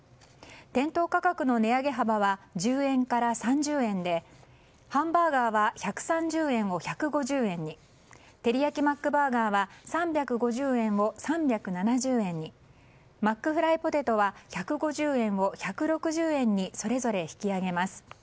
店頭価格の値上げ幅は１０円から３０円でハンバーガーは１３０円を１５０円にてりやきマックバーガーは３５０円を３７０円にマックフライポテトは１５０円を１６０円にそれぞれ引き上げます。